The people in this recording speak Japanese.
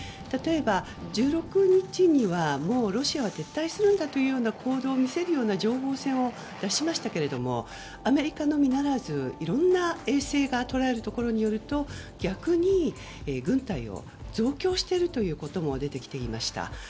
例えば、１６日にはもうロシアは撤退するんだという行動を見せるような情報を出しましたけどもアメリカのみならずいろんな衛星が捉えるところによると逆に軍隊を増強しているということも出てきていました。